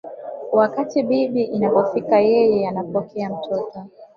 Wakati bibi inapofika yeye anapokea mtoto